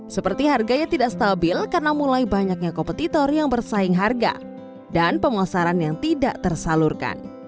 seperti harganya tidak stabil karena mulai banyaknya kompetitor yang bersaing harga dan pemasaran yang tidak tersalurkan